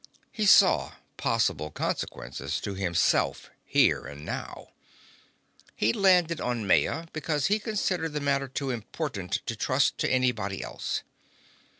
He saw possible consequences to himself, here and now. He'd landed on Maya because he considered the matter too important to trust to anybody else.